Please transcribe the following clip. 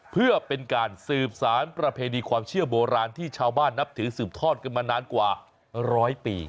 เพื่อเป็นการสืบสารประเพณีความเชื่อโบราณที่ชาวบ้านนับถือสืบทอดกันมานานกว่าร้อยปี